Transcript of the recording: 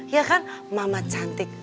ya kan mama cantik